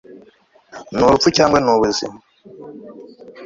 Ni urupfu cyangwa ni ubuzima